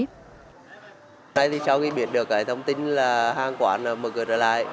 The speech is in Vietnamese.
hôm nay thì sau khi biết được cái thông tin là hàng quán mở cửa trở lại